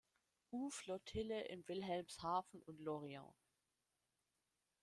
U-Flottille in Wilhelmshaven und Lorient.